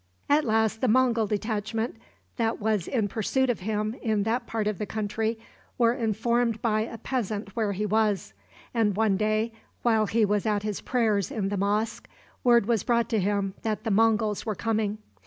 At last the Mongul detachment that was in pursuit of him in that part of the country were informed by a peasant where he was; and one day, while he was at his prayers in the mosque, word was brought to him that the Monguls were coming.